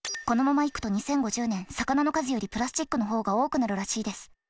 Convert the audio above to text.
このままいくと２０５０年魚の数よりプラスチックの方が多くなるらしいです。